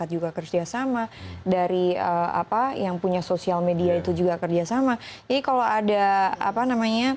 juga kerjasama dari apa yang punya sosial media itu juga kerjasama ini kalau ada apa namanya